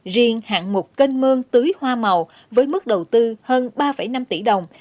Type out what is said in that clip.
riêng hạng mục kênh mương tưới hoa màu với mức đầu tư hơn ba năm tỷ đồng